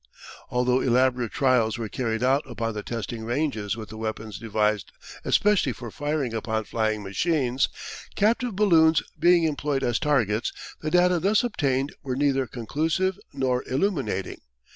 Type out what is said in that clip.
Although elaborate trials were carried out upon the testing ranges with the weapons devised especially for firing upon flying machines, captive balloons being employed as targets, the data thus obtained were neither conclusive nor illuminating.